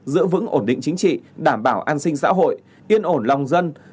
giữ vững ổn định chính trị đảm bảo an sinh xã hội yên ổn lòng dân